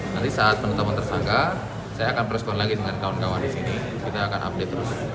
nanti saat penetapan tersangka saya akan preskon lagi dengan kawan kawan di sini kita akan update terus